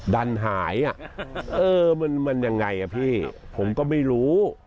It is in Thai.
ดันหายเออมันยังไงอ่ะพี่ผมก็ไม่รู้